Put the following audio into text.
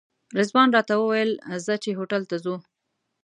رضوان راته وویل ځه چې هوټل ته ځو.